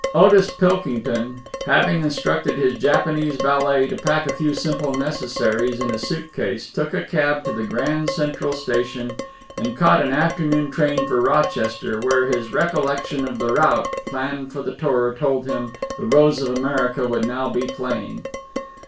Otis Pilkington, having instructed his Japanese valet to pack a few simple necessaries in a suit case, took a cab to the Grand Central Station and caught an afternoon train for Rochester, where his recollection of the route planned for the tour told him "The Rose of America" would now be playing.